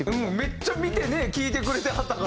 めっちゃ見てね聴いてくれてはったからな。